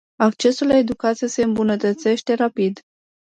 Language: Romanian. Accesul la educație se îmbunătățește rapid.